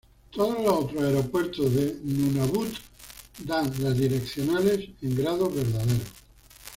Todos los otros aeropuertos de Nunavut dan las direccionales en grados verdaderos.